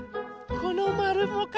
このまるもか。